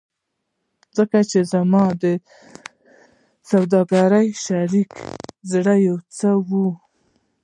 ځکه چې ته زما سوداګریز شریک یې زه یو څه وایم